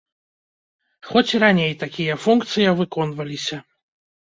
Хоць і раней такія функцыя выконваліся.